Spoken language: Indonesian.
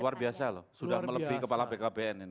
luar biasa loh sudah melebihi kepala bkkbn ini